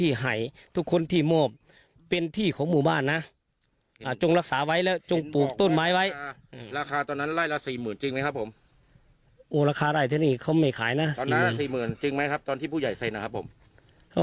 สี่หมื่นตอนนั้นสี่หมื่นจริงไหมครับตอนที่ผู้ใหญ่เซ็นอ่ะครับผม